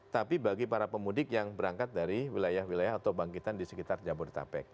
tapi bagi para pemudik yang berangkat dari wilayah wilayah atau bangkitan di sekitar jabodetabek